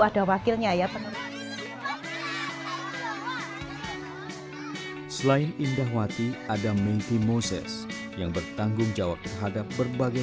ada wakilnya ya penuh selain indahwati ada menti moses yang bertanggung jawab terhadap berbagai